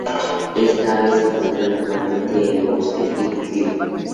Esta ave se encuentra normalmente en bosques y cultivos.